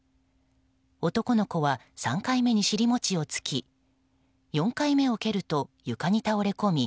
男の子は３回目に尻餅をつき４回目を蹴ると床に倒れ込み